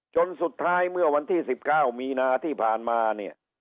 จนสุดท้ายเมื่อวันที่๑๙มีนาที่ผ่านมาเนี่ย